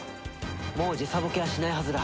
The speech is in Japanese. もう時差ボケはしないはずだ。